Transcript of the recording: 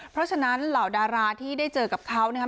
เพราะฉะนั้นเหล่าดาราที่ได้เจอกับเขานะครับ